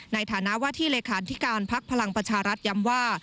ในฐานะว่าที่เลขาธิการพักพลังประชารัฐย้ำว่า